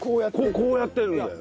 こうやってるんだよ。